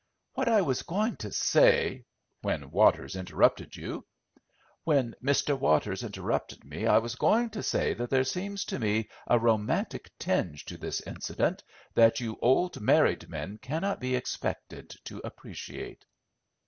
"What I was going to say—" "When Waters interrupted you." "When Mr. Waters interrupted me I was going to say that there seems to me a romantic tinge to this incident that you old married men cannot be expected to appreciate."